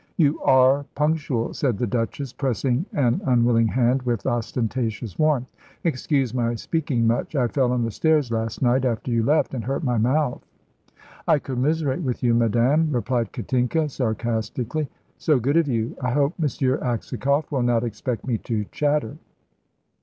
"You are punctual," said the Duchess, pressing an unwilling hand with ostentatious warmth. "Excuse my speaking much. I fell on the stairs last night after you left and hurt my mouth." "I commiserate with you, madame," replied Katinka, sarcastically. "So good of you. I hope M. Aksakoff will not expect me to chatter."